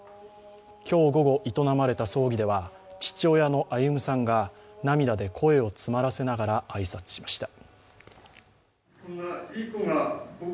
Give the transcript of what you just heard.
今日午後営まれた葬儀では父親の歩さんが涙で声を詰まらせながら挨拶しました。